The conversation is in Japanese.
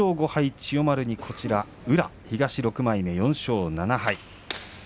千代丸に宇良、東６枚目、４勝７敗です。